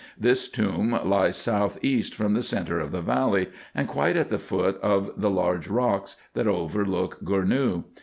This tomb lies south east from the centre of the valley, and quite at the foot of the large rocks, that overlook Gournou.